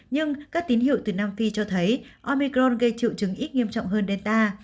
nhưng các tín hiệu từ nam phi cho thấy omicron gây triệu chứng ít nghiêm trọng hơn delta